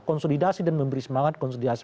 konsolidasi dan memberi semangat konsolidasi